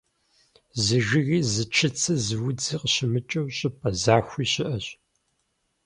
Зы жыги, зы чыци, зы удзи къыщымыкӀыу щӀыпӀэ захуи щыӀэщ.